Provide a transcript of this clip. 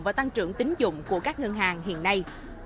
và tăng trưởng tính dụng của các ngân hàng hiện nay